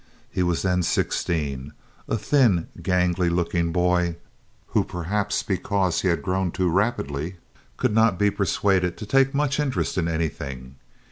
He was then sixteen, a thin gangly looking boy, who perhaps because he had grown too rapidly could not be persuaded to take much interest in anything.